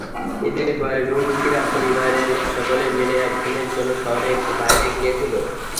ঈদের পরে রুমকিরা পরিবারের সকলে মিলে একদিনের জন্য শহরের একটু বাইরে গিয়েছিল।